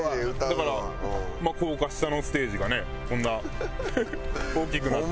だからまあ高架下のステージがねこんな大きくなった。